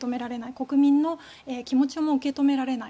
国民の気持ちも受け止められない。